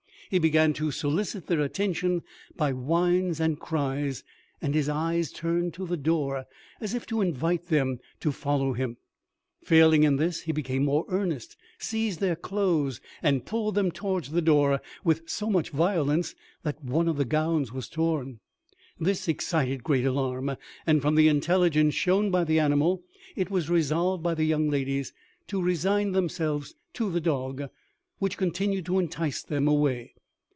He began to solicit their attention by whines and cries, and his eyes turned to the door, as if to invite them to follow him. Failing in this, he became more earnest, seized their clothes, and pulled them towards the door with so much violence, that one of their gowns was torn. This excited great alarm; and from the intelligence shown by the animal, it was resolved by the young ladies to resign themselves to the dog, which continued to entice them away.